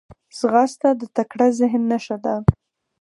ځغاسته د تکړه ذهن نښه ده